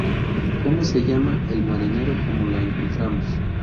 P: ¿Cómo se llama el marinero, cómo lo encontramos?